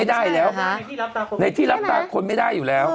ได้แล้วนะในที่รับตาคนไม่ได้อยู่แล้ว